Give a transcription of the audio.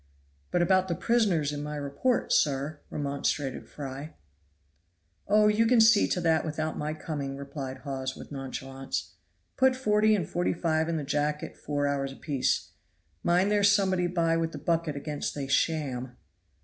"But about the prisoners in my report, sir," remonstrated Fry. "Oh, you can see to that without my coming," replied Hawes with nonchalance. "Put 40 and 45 in the jacket four hours apiece. Mind there's somebody by with the bucket against they sham."